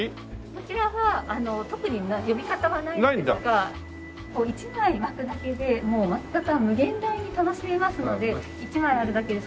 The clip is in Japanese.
こちらは特に呼び方はないんですが一枚巻くだけで巻き方は無限大に楽しめますので一枚あるだけで。